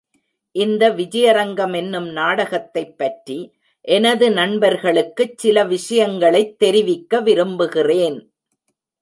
இந்த விஜயரங்கம் என்னும் நாடகத்தைப்பற்றி எனது நண்பர்களுக்குச் சில விஷயங்களைத் தெரிவிக்க விரும்புகிறேன்.